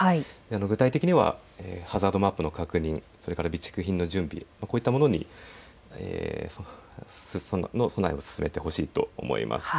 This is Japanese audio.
具体的にはハザードマップの確認、それから備蓄品の準備、こういったものの備えを進めてほしいと思います。